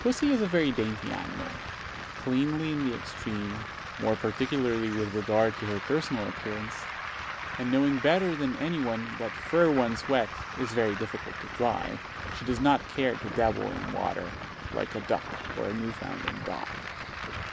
Pussy is a very dainty animal, cleanly in the extreme, more particularly with regard to her personal appearance; and knowing better than any one that fur once wet is very difficult to dry, she does not care to dabble in the water like a duck or a Newfoundland dog.